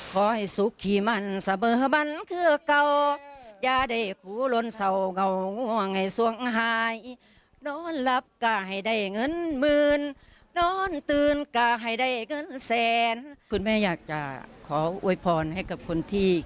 คุณแม่อยากจะขอโอยพรให้กับคนที่